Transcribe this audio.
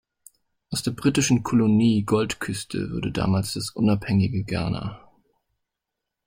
Aus der britischen Kolonie Goldküste wurde damit das unabhängige Ghana.